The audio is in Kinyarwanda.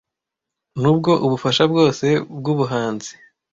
nubwo ubufasha bwose bwubuhanzi